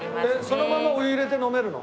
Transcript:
そのままお湯入れて飲めるの？